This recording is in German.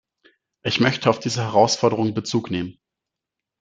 Ich möchte auf diese Herausforderungen Bezug nehmen.